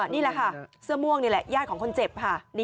นี่แหละค่ะเสื้อม่วงนี่แหละญาติของคนเจ็บค่ะ